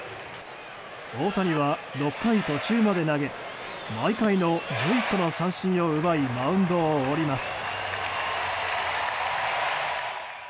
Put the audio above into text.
大谷は６回途中まで投げ毎回の１１個の三振を奪いマウンドを降ります。